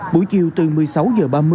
buổi chiều từ một mươi sáu h ba mươi